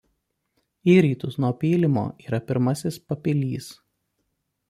Į rytus nuo pylimo yra pirmasis papilys.